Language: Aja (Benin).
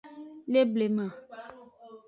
Le blema.